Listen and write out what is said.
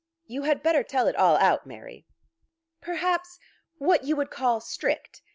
You had better tell it all out, Mary." "Perhaps what you would call strict.